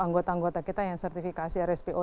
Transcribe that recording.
anggota anggota kita yang sertifikasi rspo